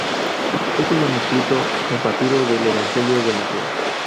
Es un manuscrito en papiro del Evangelio de Mateo.